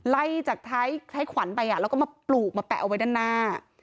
ไล่จากท้ายขวัญไปแล้วก็มาปลูกมาแปะเอาไว้ด้านหน้า